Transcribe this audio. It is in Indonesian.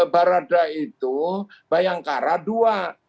barada itu bayangkara dua